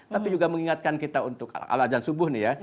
tapi juga mengingatkan kita untuk al azan subuh nih ya